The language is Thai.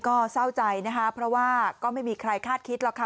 ก็เศร้าใจนะคะเพราะว่าก็ไม่มีใครคาดคิดหรอกค่ะ